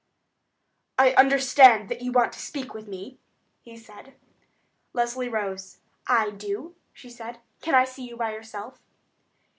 "I understand that you want to speak to me?" he said. Leslie rose. "I do," she said. "Can I see you by yourself?"